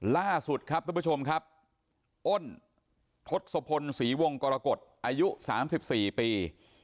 ล่าสุดครับทุกผู้ชมครับอ้นทศพลศรีวงกรกฎอายุ๓๔ปี